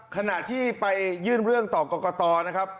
ขณะที่ไปยื่นเรื่องต่อกรกตนะครับ